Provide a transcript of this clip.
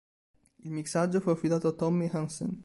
Il mixaggio fu affidato a Tommy Hansen.